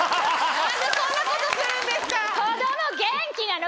何でそんなことするんですか。